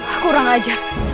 aku kurang ajar